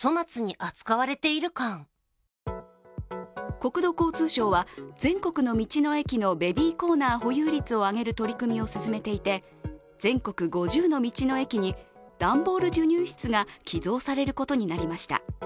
国土交通省は全国の道の駅のベビーコーナー保有率を上げる取り組みを進めていて全国５０の道の駅に、段ボール授乳室が寄贈されることになりました